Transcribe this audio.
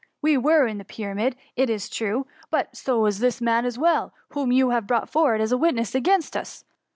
We were in the Pyramid, it is true ; but so was also this man, whom you have brought forward as a witness against us.